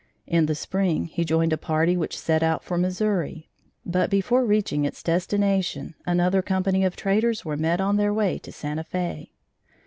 In the spring, he joined a party which set out for Missouri, but before reaching its destination, another company of traders were met on their way to Santa Fe.